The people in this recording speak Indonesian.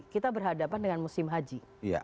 kita berhadapan dengan musim haji